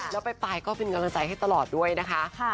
แล้วปลายก็เป็นกำลังใจให้ตลอดด้วยนะคะ